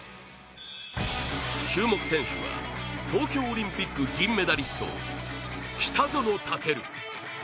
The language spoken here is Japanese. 注目選手は東京オリンピック銀メダリスト、北園丈琉。